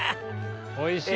おいしい！